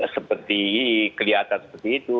seperti kelihatan seperti itu